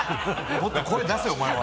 もっと声出せ、お前は。